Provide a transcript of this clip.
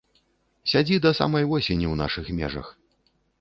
Сядзі да самай восені ў нашых межах.